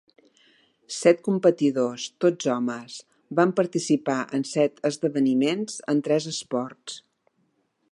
Set competidors, tots homes, van participar en set esdeveniments en tres esports.